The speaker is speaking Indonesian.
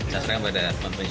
saya sering pada pembentuk ini